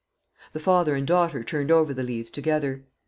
The father and daughter turned over the leaves together.